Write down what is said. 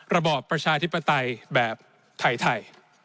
ระบอบประชาธิปไตยแบบไทย